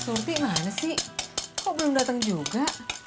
surti mana sih kok belum dateng juga